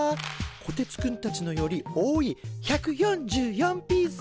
こてつくんたちのより多い１４４ピース！